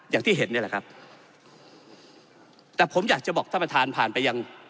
อย่างที่เห็นเนี่ยแหละครับแต่ผมอยากจะบอกท่านประธานผ่านไปยัง